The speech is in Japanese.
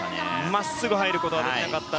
真っすぐ入ることはできなかった。